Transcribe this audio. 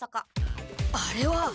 あれは。